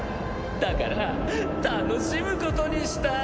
だから楽しむことにした。